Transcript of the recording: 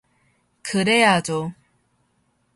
그래야죠.